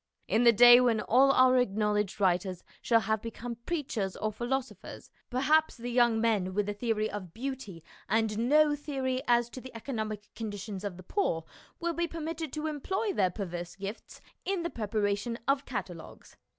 In the day when all our acknowledged writers shall have become preachers or philosophers, perhaps the young men with a theory of beauty and no theory as to the economic conditions of the poor will be per mitted to employ their perverse gifts in the preparation of catalogues.